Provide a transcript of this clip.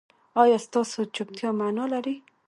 ایا ستاسو چوپتیا معنی لري؟